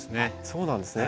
そうなんですね。